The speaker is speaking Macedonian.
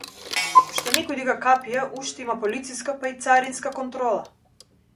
Уште некој дига капија, уште има полициска, па и царинска контрола.